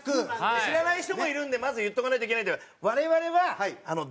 知らない人もいるんでまず言っとかないといけない。